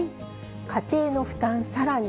家庭の負担さらに。